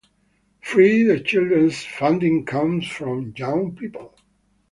Free The Children's funding comes from young people.